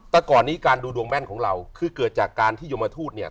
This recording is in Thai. แต่ก่อนนี้การดูดวงแม่นของเราคือเกิดจากการที่ยมทูตเนี่ย